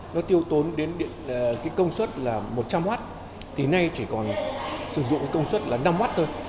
nó tiêu tốn đến cái công suất là một trăm linh w thì nay chỉ còn sử dụng cái công suất là năm w thôi